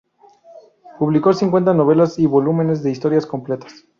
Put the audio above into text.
Publicó cincuenta novelas y volúmenes de historias completas.